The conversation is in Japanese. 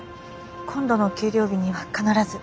今度の給料日には必ず。